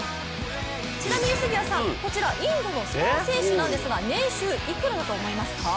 ちなみに杉谷さん、こちらインドのスター選手なんですが年収どれくらいだと思いますか？